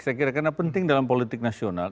saya kira karena penting dalam politik nasional